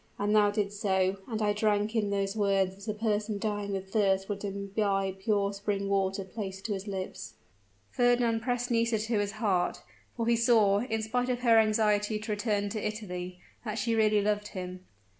_ and thou didst so and I drank in those words as a person dying with thirst would imbibe pure spring water placed to his lips!" Fernand pressed Nisida to his heart for he saw, in spite of her anxiety to return to Italy, that she really loved him.